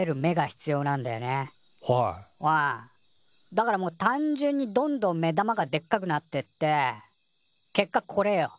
だからもう単純にどんどん目玉がでっかくなってって結果これよ。